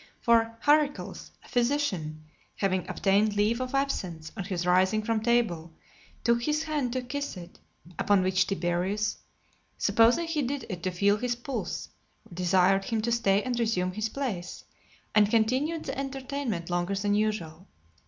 For Charicles, a physician, having obtained leave of absence, on his rising from table, took his hand to kiss it; upon which Tiberius, supposing he did it to feel his pulse, desired him to stay and resume his place, and continued the entertainment longer than usual.